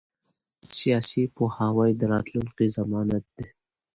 سیاسي پوهاوی د راتلونکي ضمانت دی